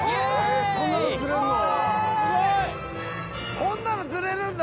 こんなの釣れるんだ。